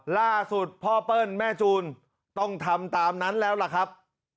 ล่าสุดพ่อเปิ้ลแม่จูนต้องทำตามนั้นแล้วล่ะครับ